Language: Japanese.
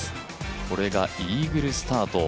これがイーグルスタート。